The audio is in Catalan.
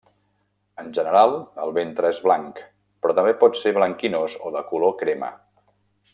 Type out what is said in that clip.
En general, el ventre és blanc, però també pot ser blanquinós o de color crema.